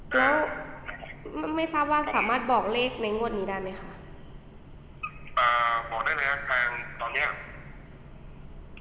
แล้วไม่ไม่ทราบว่าสามารถบอกเลขในงวดนี้ได้ไหมคะอ่าบอกได้ไหมฮะแพงตอนเนี้ย